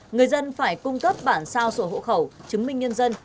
người dân phải cung cấp bản sao sổ hộ khẩu chứng minh nhân dân